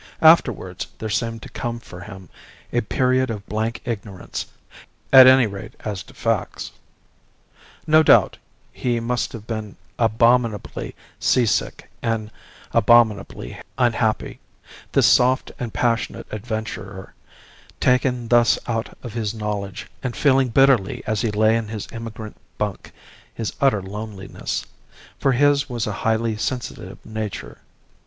Afterwards there seemed to come for him a period of blank ignorance, at any rate as to facts. No doubt he must have been abominably sea sick and abominably unhappy this soft and passionate adventurer, taken thus out of his knowledge, and feeling bitterly as he lay in his emigrant bunk his utter loneliness; for his was a highly sensitive nature.